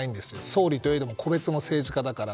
総理といえども個別の政治家だから。